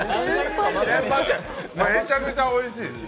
めちゃくちゃおいしい。